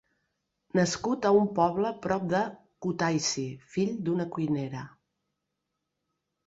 Nascut a un poble prop de Kutaisi, fill d'una cuinera.